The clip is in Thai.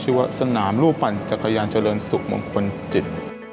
ว่าสนามลูกปั่นจักรยานเจริญสุขมงคลจิต